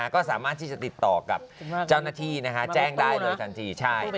ก็สามารถที่จะติดต่อกับเจ้าหน้าที่แจ้งได้เลยทันที